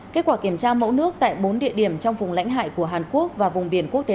kết quả kiểm tra mẫu nước tại bốn địa điểm trong vùng lãnh hải của hàn quốc và vùng biển quốc tế